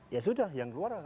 ya sudah yang keluar